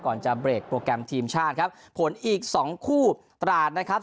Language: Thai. จะเบรกโปรแกรมทีมชาติครับผลอีกสองคู่ตราดนะครับ